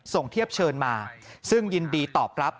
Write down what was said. เทียบเชิญมาซึ่งยินดีตอบรับ